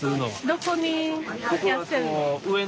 どこにやっているの？